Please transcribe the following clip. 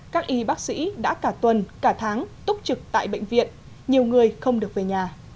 các y bác sĩ đã cả tuần cả tháng túc trực tại bệnh viện nhiều người không được về nhà